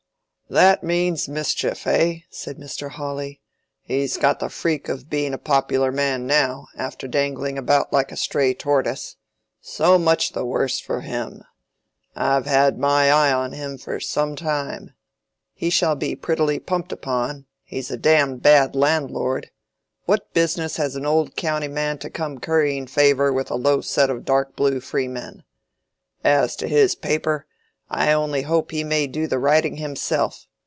"That means mischief, eh?" said Mr. Hawley. "He's got the freak of being a popular man now, after dangling about like a stray tortoise. So much the worse for him. I've had my eye on him for some time. He shall be prettily pumped upon. He's a damned bad landlord. What business has an old county man to come currying favor with a low set of dark blue freemen? As to his paper, I only hope he may do the writing himself.